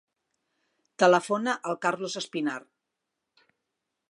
Telefona al Carlos Espinar.